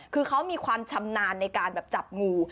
คือเขามีความชำนาญในการแบบจับงู